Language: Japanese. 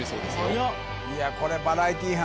速っいやこれバラエティー班